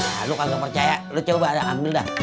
nah lu kagak percaya lu coba ambil dah tanggalan lu kita cek berdua